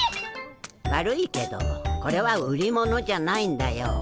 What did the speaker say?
悪いけどこれは売り物じゃないんだよ。